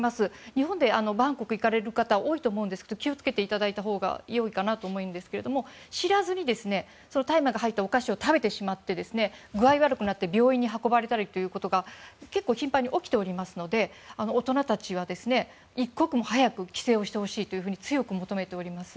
日本でバンコクに行かれる方多いと思うんですけど気を付けていただいたほうがいいかなと思うんですが知らずに大麻が入ったお菓子を食べてしまって具合が悪くなって病院に運ばれたりということが結構、頻繁に起きておりますので大人たちは一刻も早く規制をしてほしいと強く求めております。